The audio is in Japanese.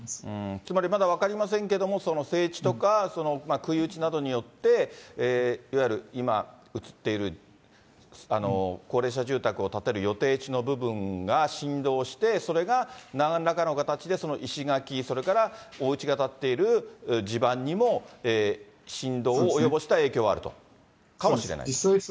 つまりまだ分かりませんけども、整地とか、くい打ちなどによって、いわゆる今写っている高齢者住宅を建てる予定地の部分が振動して、それがなんらかの形でその石垣、それからおうちが建っている地盤にも振動を及ぼした影響があると、かもしれないと？